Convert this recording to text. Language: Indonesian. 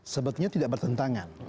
sebetulnya tidak bertentangan